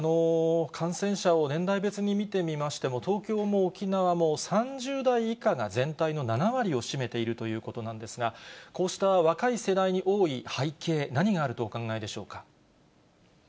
感染者を年代別に見てみましても、東京も沖縄も３０代以下が全体の７割を占めているということなんですが、こうした若い世代に多い背景、何があるとお考えでしょうか。